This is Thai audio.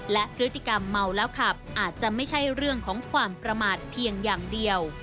และพฤติกรรมเมาแล้วขับอาจจะไม่ใช่เรื่องของความประมาทเพียงอย่างเดียว